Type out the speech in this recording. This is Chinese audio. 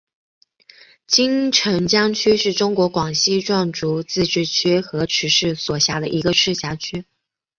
金城江区是中国广西壮族自治区河池市所辖的一个市辖区。